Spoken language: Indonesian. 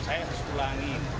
saya harus ulangi